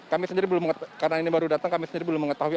kami sendiri belum karena ini baru datang kami sendiri belum mengetahui